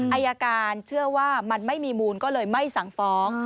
อายการเชื่อว่ามันไม่มีมูลก็เลยไม่สั่งฟ้อง